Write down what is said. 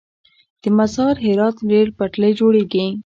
د مزار - هرات ریل پټلۍ جوړیږي؟